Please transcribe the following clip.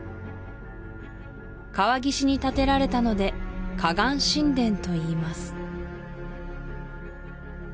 川岸に建てられたのでといいます